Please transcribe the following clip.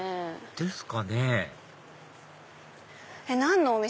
ですかね何のお店だろう？